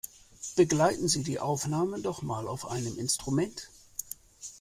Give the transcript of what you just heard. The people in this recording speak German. Begleiten Sie die Aufnahme doch mal auf einem Instrument!